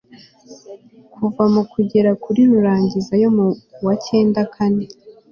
kuva mukugera kuri rurangiza yo mu wa icyenda kane